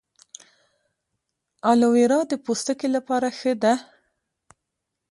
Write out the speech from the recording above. ایلوویرا د پوستکي لپاره ښه ده